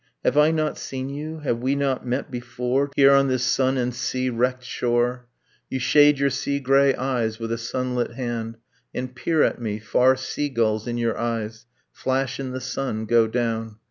Have I not seen you, have we not met before Here on this sun and sea wrecked shore? You shade your sea gray eyes with a sunlit hand And peer at me ... far sea gulls, in your eyes, Flash in the sun, go down